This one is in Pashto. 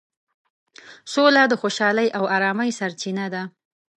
سوله د خوشحالۍ او ارامۍ سرچینه ده.